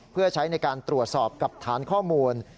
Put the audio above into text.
เพื่อใช้ในการตรวจสอบกับฐานข้อมูล